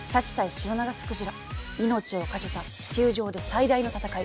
シロナガスクジラ命を懸けた地球上で最大の闘い。